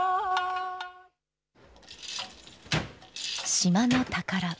島の宝。